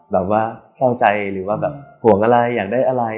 ว่าเข้าใจหรือว่าแบบห่วงอะไรอยากได้อะไร